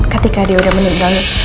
ketika dia udah meninggal